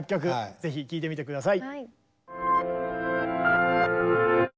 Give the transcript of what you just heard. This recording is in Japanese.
ぜひ聴いてみて下さい。